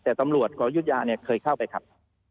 แต่ตำรวจของยุธยาเนี่ยเคยเข้าไปครับ